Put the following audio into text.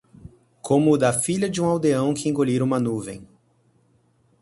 Como o da filha de um aldeão que engolira uma nuvem